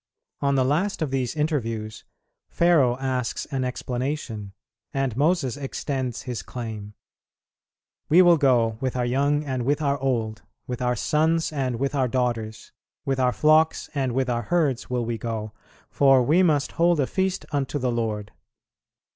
On the last of these interviews, Pharaoh asks an explanation, and Moses extends his claim: "We will go with our young and with our old, with our sons and with our daughters, with our flocks and with our herds will we go, for we must hold a feast unto the Lord."